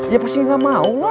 ya pasti gak mau